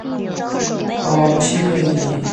好不惬意